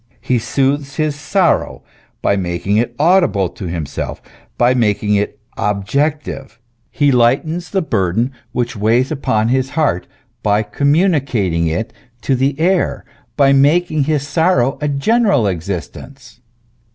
He soothes his sorrow by making it audible to himself, by making it objective ; he lightens the burden which weighs upon his heart, by communicating THE MYSTERY OF PRAYER. 121 it to the air, by making his sorrow a general existence.